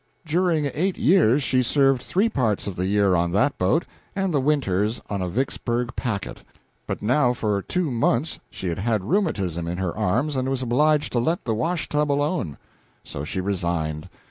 During eight years she served three parts of the year on that boat, and the winters on a Vicksburg packet. But now for two months she had had rheumatism in her arms, and was obliged to let the wash tub alone. So she resigned.